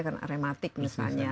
karena aromatik misalnya